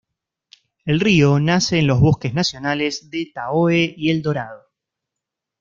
El río nace en los bosques nacionales de Tahoe y El Dorado.